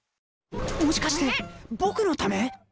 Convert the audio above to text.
もしかして僕のため！